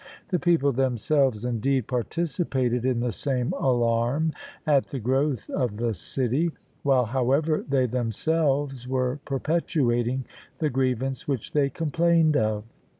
The people themselves indeed participated in the same alarm at the growth of the city; while, however, they themselves were perpetuating the grievance which they complained of.